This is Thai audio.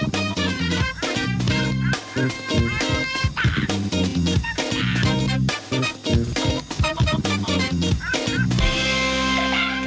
โปรดติดตามตอนต่อไป